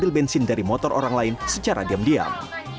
mobil bensin dari motor orang lain secara diam diam